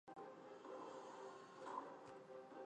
素呜尊是日本传说中出现的人物。